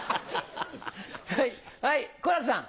はい好楽さん。